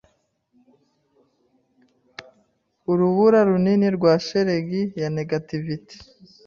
Urubura runini rwa shelegi ya negativite